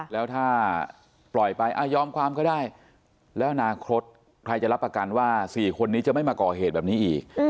แล้วถ้าปล่อยไปยอมความก็ได้แล้วอนาคตใครจะรับประกันว่า๔คนนี้จะไม่มาก่อเหตุแบบนี้อีก